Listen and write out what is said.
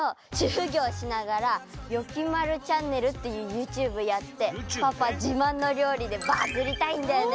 ふぎょうしながら「よきまるチャンネル」っていうユーチューブやってパパじまんのりょうりでバズりたいんだよね！